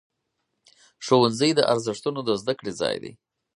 ښوونځی د ارزښتونو د زده کړې ځای دی.